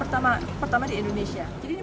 ya pertama di indonesia